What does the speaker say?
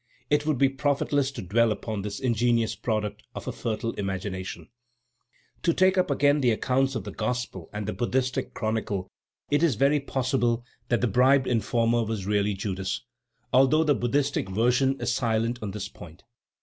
It would be profitless to dwell upon this ingenious product of a fertile imagination. To take up again the accounts of the Gospels and the Buddhistic chronicle, it is very possible that the bribed informer was really Judas, although the Buddhistic version is silent on this point.